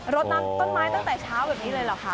รถน้ำต้นไม้ตั้งแต่เช้าแบบนี้เลยเหรอคะ